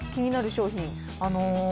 気になる商品。